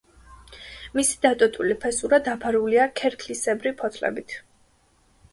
მისი დატოტვილი ფესურა დაფარულია ქერქლისებრი ფოთლებით.